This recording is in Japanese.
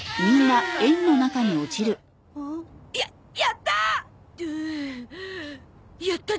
ん？ややったー！